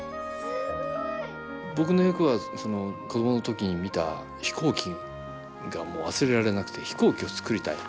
僕の役はその子供の時に見た飛行機が忘れられなくて飛行機を作りたい。